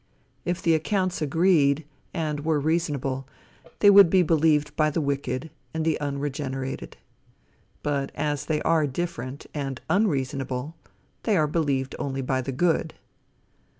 If the accounts agreed, and were reasonable, they would be believed by the wicked and unregenerated. But as they are different and unreasonable, they are believed only by the good.